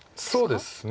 そうですね。